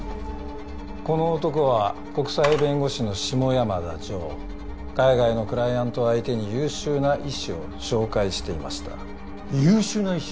この男は国際弁護士の下山田譲海外のクライアントを相手に優秀な医師を紹介していました優秀な医師？